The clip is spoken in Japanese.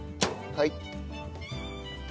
はい。